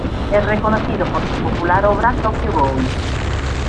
Es reconocido por su popular obra Tokyo Ghoul.